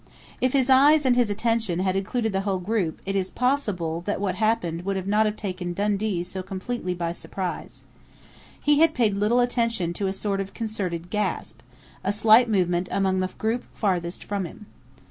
If his eyes and his attention had included the whole group it is possible that what happened would not have taken Dundee so completely by surprise. He had paid little attention to a sort of concerted gasp, a slight movement among the group farthest from him.